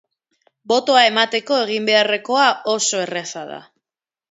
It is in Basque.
Botoa emateko egin beharrekoa oso erraza da.